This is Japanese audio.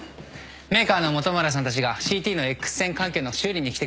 メーカーの元村さんたちがＣＴのＸ線管球の修理に来てくれました。